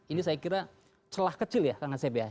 ini saya kira celah kecil ya kang asep ya